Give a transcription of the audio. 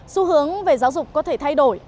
xu hướng về giáo dục có thể thay đổi